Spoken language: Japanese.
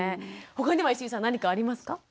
他には石井さん何かありますか？